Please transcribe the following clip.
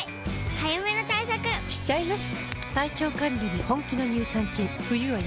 早めの対策しちゃいます。